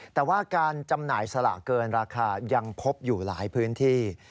แต่ว่าการจำหน่ายสลากเกินราคายังพบอยู่หลายพื้นที่